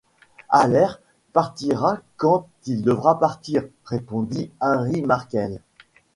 Alert partira quand il devra partir!... répondit Harry Markel.